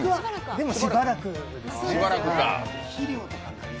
でもしばらくはですね。